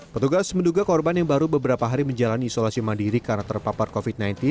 petugas menduga korban yang baru beberapa hari menjalani isolasi mandiri karena terpapar covid sembilan belas